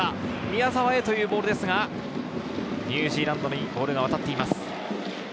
宮澤へというボールですが、ニュージーランドにボールがわたっています。